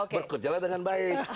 berkerjalah dengan baik